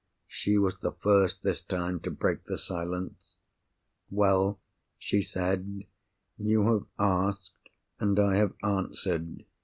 She was the first, this time, to break the silence. "Well?" she said, "you have asked, and I have answered.